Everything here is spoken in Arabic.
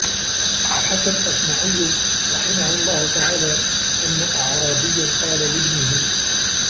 وَحَكَى الْأَصْمَعِيُّ رَحِمَهُ اللَّهُ تَعَالَى أَنَّ أَعْرَابِيًّا قَالَ لِابْنِهِ